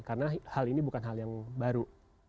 karena hal ini bukan hal yang baru